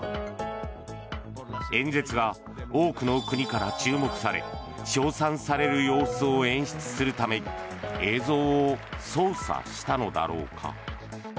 演説が多くの国から注目され称賛される様子を演出するために映像を操作したのだろうか。